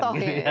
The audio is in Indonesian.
contoh ini ya